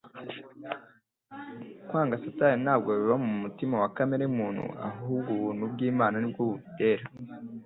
Kwanga Satani ntabwo biba mu mutima wa kamere muntu, ahubwo ubuntu bw'Imana ni bwo bubitera.